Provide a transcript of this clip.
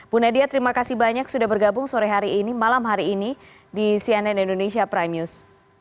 bu nadia terima kasih banyak sudah bergabung sore hari ini malam hari ini di cnn indonesia prime news